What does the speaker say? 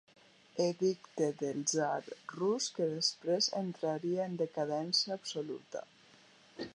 Edicte del tsar rus que després entraria en decadència absoluta.